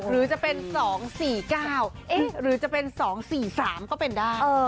หรือจะเป็น๒๔๙หรือจะเป็น๒๔๓ก็เป็นได้